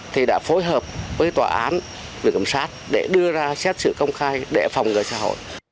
thì đã phối hợp với tòa án với cầm sát để đưa ra xét xử công khai để phòng ngợi xã hội